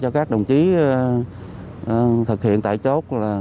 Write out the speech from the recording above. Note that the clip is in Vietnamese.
cho các đồng chí thực hiện tại chốt là